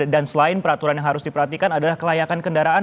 dan selain peraturan yang harus diperhatikan adalah kelayakan kendaraan